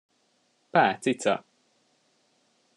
Pá, cica!